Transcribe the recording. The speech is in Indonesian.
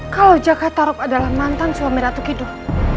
kalau jakartarup adalah mantan suami ratu kidul